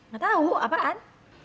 gak tau apaan